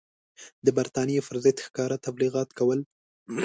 د برټانیې پر ضد ښکاره تبلیغات کول.